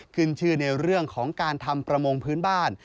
ขึ้นชื่อในเรื่องของการทำประมงพื้นบ้าน